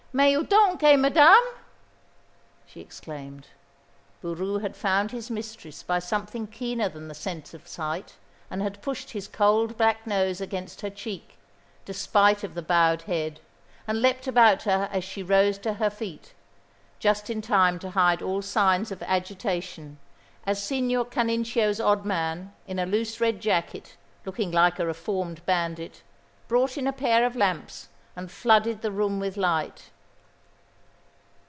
"Mais où donc est Madame?" she exclaimed. Boroo had found his mistress by something keener than the sense of sight, and had pushed his cold, black nose against her cheek, despite of the bowed head, and leapt about her as she rose to her feet, just in time to hide all signs of agitation as Signor Canincio's odd man, in a loose red jacket, looking like a reformed bandit, brought in a pair of lamps and flooded the room with light.